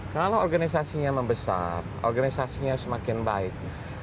kalau organisasi nya membesar organisasi nya semakin baik